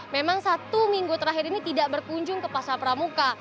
memang satu minggu terakhir ini tidak berkunjung ke pasar pramuka